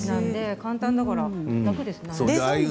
簡単だから楽ですね。